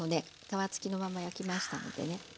皮付きのまま焼きましたのでね。